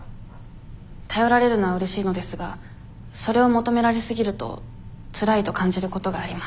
頼られるのはうれしいのですがそれを求められすぎるとつらいと感じることがあります。